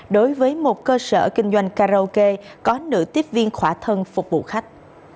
đối với một cơ sở kinh doanh karaoke có nữ tiếp viên khỏa thân phục vụ khách